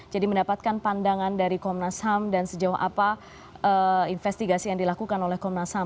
jadi mendapatkan pandangan dari komnas ham dan sejauh apa investigasi yang dilakukan oleh komnas ham